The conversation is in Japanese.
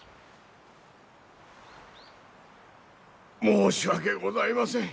申し訳ございません。